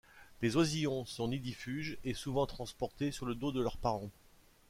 Les oisillons sont nidifuges et souvent transportés sur le dos de leurs parents.